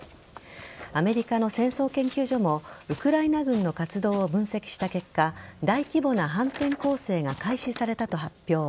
アメリカの戦争研究所もウクライナ軍の活動を分析した結果大規模な反転攻勢が開始されたと発表。